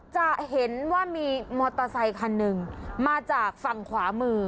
จะเห็นว่ามีมอเตอร์ไซคันหนึ่งมาจากฝั่งขวามือ